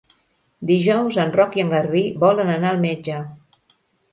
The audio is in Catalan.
Dijous en Roc i en Garbí volen anar al metge.